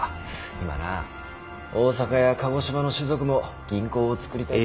今な大阪や鹿児島の士族も銀行を作りたいと。